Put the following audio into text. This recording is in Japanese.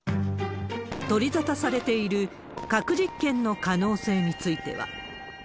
取り沙汰されている核実験の可能性については。